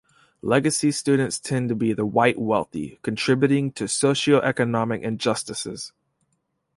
Legacy students tend to be the white wealthy, contributing to socioeconomic injustices.